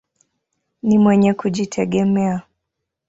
Ni mwenye kujitegemea.